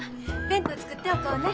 弁当作っておこうね。